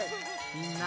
みんな。